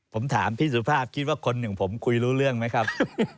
ผมถามพี่สุภาพคิดว่าคนหนึ่งผมคุยรู้เรื่องไหมครับ